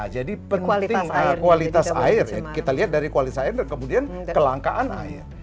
jadi penting kualitas air kita lihat dari kualitas air kemudian kelangkaan air